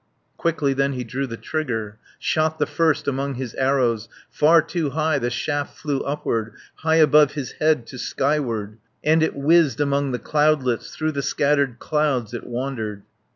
Quickly then he drew the trigger, Shot the first among his arrows. Far too high the shaft flew upward. High above his head to skyward, And it whizzed among the cloudlets, Through the scattered clouds it wandered.